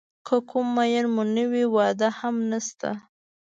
که کوم مېن مو نه وي واده هم نشته.